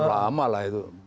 lama lah itu